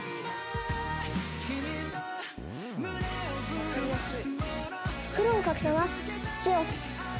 「わかりやすい」